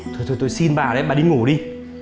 thôi tôi xin bà đấy bà đi ngủ đi